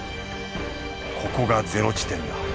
ここがゼロ地点だ